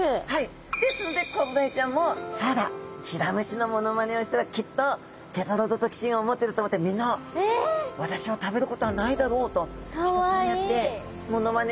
ですのでコロダイちゃんも「そうだヒラムシのモノマネをしたらきっとテトロドトキシンをもってると思ってみんな私を食べることはないだろう」ときっとそうやってモノマネをしてるんですね。